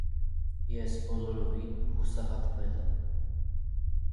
ես բոլորովին հուսահատվել եմ: